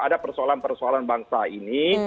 ada persoalan persoalan bangsa ini